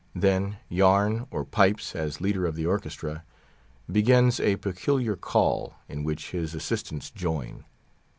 Then Yarn, or Pipes, as leader of the orchestra, begins a peculiar call, in which his assistants join.